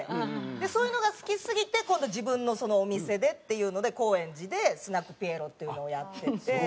そういうのが好きすぎて今度自分のお店でっていうので高円寺でスナックピエロっていうのをやってて。